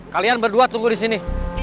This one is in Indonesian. kalian berdua tunggu di sini